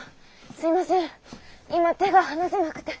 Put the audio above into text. すいません今手が離せなくて。